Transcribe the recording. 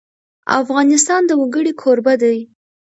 افغانستان د وګړي کوربه دی.